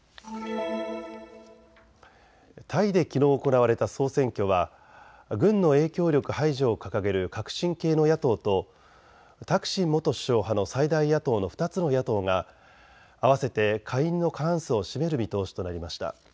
タイできのう行われた総選挙は軍の影響力排除を掲げる革新系の野党とタクシン元首相派の最大野党の２つの野党が合わせて下院の過半数を占める見通しとなりました。